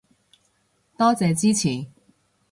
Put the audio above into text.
多謝支持